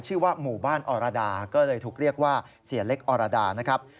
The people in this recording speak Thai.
ชื่อว่าหมู่บ้านอรดาก็เลยถูกเรียกว่าเสียเล็กอรดานะครับ